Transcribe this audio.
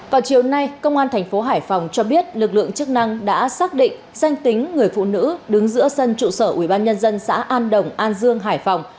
vào chiều nay công an thành phố hải phòng cho biết lực lượng chức năng đã xác định danh tính người phụ nữ đứng giữa sân trụ sở ubnd xã an đồng an dương hải phòng